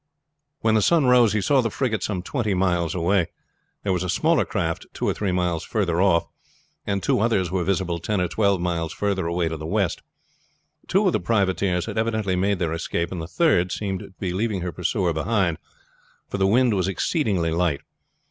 When the sun rose he saw the frigate some twenty miles away. There was a smaller craft two or three miles further off, and two others were visible ten or twelve miles further away to the west. Two of the privateers had evidently made their escape, and the third seemed to be leaving her pursuer behind, for the wind was exceedingly light.